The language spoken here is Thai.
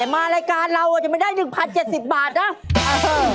มารายการเรามีได้หนึ่งพันเจ็ดสิบบาทนะ